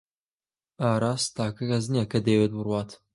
ئاراس تاکە کەس نییە کە دەیەوێت بڕوات.